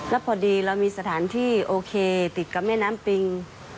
แล้วพอดีเรามีสถานที่โอเคติดกับแม่น้ำปิง